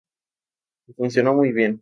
Y funcionó muy bien.